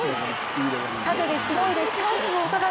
タテでしのいでチャンスをうかがう。